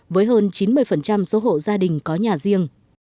với hơn chín mươi số hộ gia đình có nhà riêng